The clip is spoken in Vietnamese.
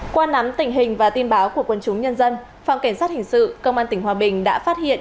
qua nắm tình hình và tin báo của quân chúng nhân dân phòng cảnh sát hình sự công an tỉnh hòa bình đã phát hiện